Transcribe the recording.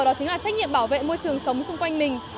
đó chính là trách nhiệm bảo vệ môi trường sống xung quanh mình